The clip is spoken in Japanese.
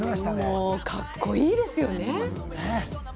もうカッコいいですよね。